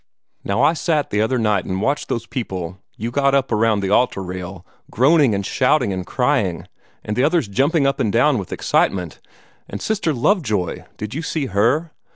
Now I sat the other night and watched those people you got up around the altar rail, groaning and shouting and crying, and the others jumping up and down with excitement, and Sister Lovejoy did you see her?